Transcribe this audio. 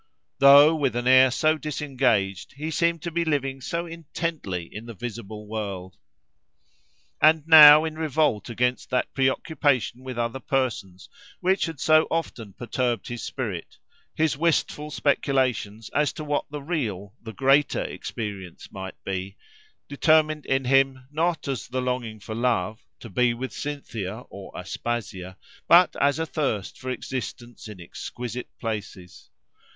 —Though with an air so disengaged, he seemed to be living so intently in the visible world! And now, in revolt against that pre occupation with other persons, which had so often perturbed his spirit, his wistful speculations as to what the real, the greater, experience might be, determined in him, not as the longing for love—to be with Cynthia, or Aspasia—but as a thirst for existence in exquisite places.